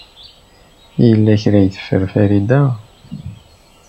Yella kra ay teffer Farida?